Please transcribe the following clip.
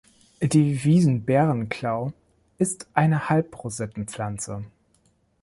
Die Wiesen-Bärenklau ist eine Halbrosettenpflanze.